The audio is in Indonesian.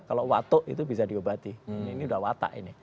kalau watok itu bisa diobati ini udah watak ini